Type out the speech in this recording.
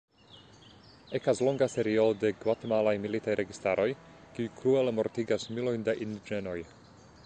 Ekas longa serio de gvatemalaj militaj registaroj, kiuj kruele mortigas milojn da indiĝenoj.